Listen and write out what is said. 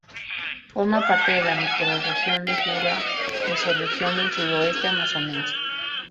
Forma parte de la microrregión de Juruá, mesorregión del Sudoeste Amazonense.